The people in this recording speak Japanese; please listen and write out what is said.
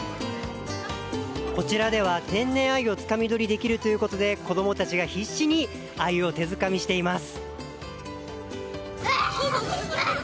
こちらでは天然アユをつかみ取りできるということで子供たちが必死にアユを手づかみしています。